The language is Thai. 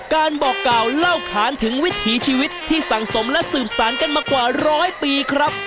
บอกกล่าวเล่าขานถึงวิถีชีวิตที่สังสมและสืบสารกันมากว่าร้อยปีครับ